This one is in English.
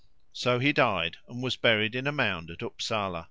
So he died and was buried in a mound at Upsala.